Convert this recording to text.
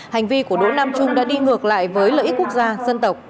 hành vi của đỗ nam trung đã đi ngược lại với lợi ích quốc gia dân tộc